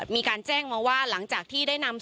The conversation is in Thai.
มีการแจ้งมาว่าหลังจากที่ได้นำศพ